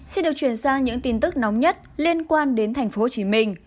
xin được chuyển sang những tin tức nóng nhất liên quan đến tp hcm